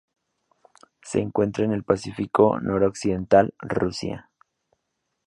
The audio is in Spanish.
Se encuentra en el Pacífico noroccidental: Rusia.